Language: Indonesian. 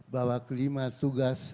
bahwa kelima tugas